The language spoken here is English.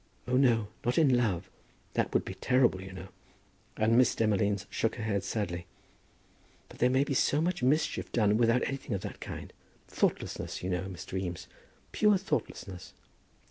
"Oh, no; not in love. That would be terrible, you know." And Miss Demolines shook her head sadly. "But there may be so much mischief done without anything of that kind! Thoughtlessness, you know, Mr. Eames, pure thoughtlessness!